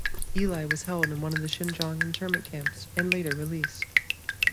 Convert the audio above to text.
Eli was held in one of the Xinjiang internment camps and later released.